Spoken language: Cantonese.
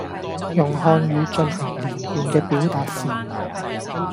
用漢語進行連貫嘅表達時